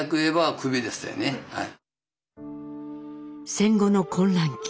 戦後の混乱期